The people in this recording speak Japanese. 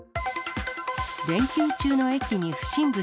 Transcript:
連休中の駅に不審物。